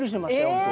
本当。